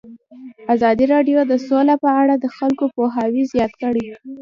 ازادي راډیو د سوله په اړه د خلکو پوهاوی زیات کړی.